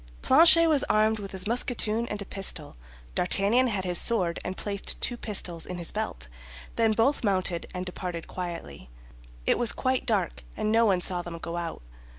Planchet was armed with his musketoon and a pistol. D'Artagnan had his sword and placed two pistols in his belt; then both mounted and departed quietly. It was quite dark, and no one saw them go out.